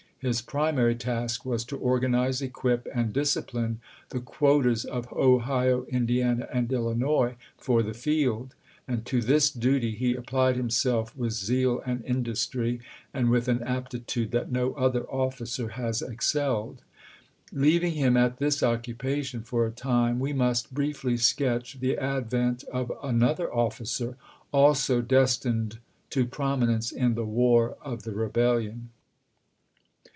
His primary task was to organize, equip, and discipline the qaotas of Ohio, Indiana, and Illinois for the field, and to this duty he ap plied himself with zeal and industry, and with an aptitude that no other officer has excelled. Leav ing him at this occupation for a time, we must briefly sketch the advent of another officer, also destined to prominence in the War of the Rebel lion.